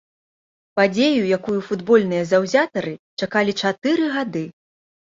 Падзея, якую футбольныя заўзятары чакалі чатыры гады.